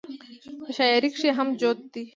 پۀ شاعرۍ کښې هم جوت دے -